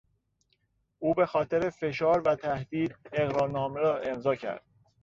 او به خاطر فشار و تهدید اقرارنامه را امضا کرد.